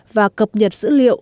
và cập nhật dữ liệu